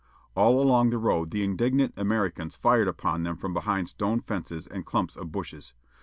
All along the road the indignant Americans fired upon them from behind stone fences and clumps of bushes.